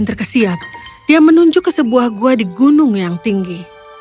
dan terkesiap dia menunjuk ke sebuah gua di gunung yang tinggi